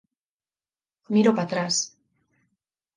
Miro para atrás.